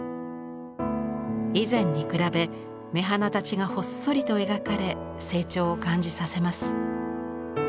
以前に比べ目鼻立ちがほっそりと描かれ成長を感じさせます。